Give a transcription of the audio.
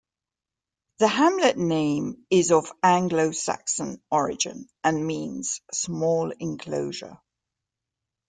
The hamlet name is of Anglo Saxon origin, and means 'small enclosure'.